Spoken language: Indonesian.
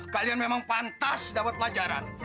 kalian memang pantas dapat pelajaran